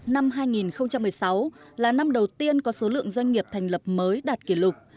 năm hai nghìn một mươi sáu là năm đầu tiên có số lượng doanh nghiệp thành lập mới đạt kỷ lục